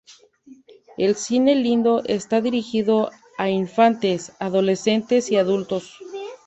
El Cine Lido está dirigido a infantes, adolescentes y adultos.